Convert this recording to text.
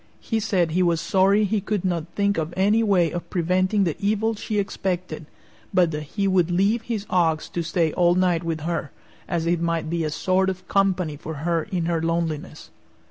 He said he was sorry he could not think of any way of preventing the evil she expected, but that he would leave his ox to stay all night with her, as it might be a sort of company for her in her loneliness.